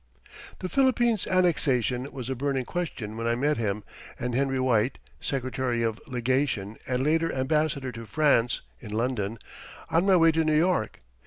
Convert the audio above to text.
The Philippines annexation was a burning question when I met him and Henry White (Secretary of Legation and later Ambassador to France) in London, on my way to New York.